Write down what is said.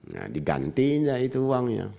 nah diganti tidak itu uangnya